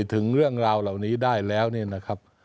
ถึงเรื่องราวเหล่านี้ได้แล้วเนี่ยนะครับ